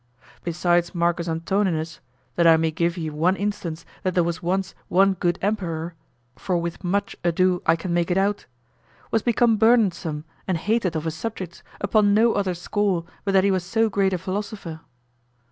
Besides M. Antoninus (that I may give you one instance that there was once one good emperor; for with much ado I can make it out) was become burdensome and hated of his subjects upon no other score but that he was so great a philosopher.